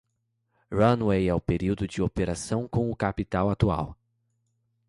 Runway é o período de operação com o capital atual.